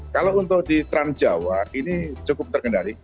kalau untuk di tranjawa ini cukup terkendali